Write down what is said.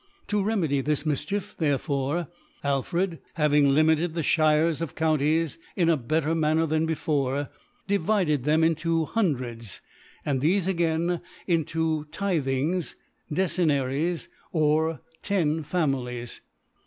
To remedy this Mifchicf, therefore, AlfredhsLv^ ing limited the Shires or G>unties in a bet ter Manner than before, divided them into HuQflreds, Hundreds, and thtfe again mto Tithings, Decennaries, or ten Families ♦.